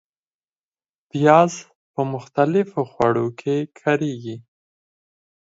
پیاز په مختلفو خوړو کې کارېږي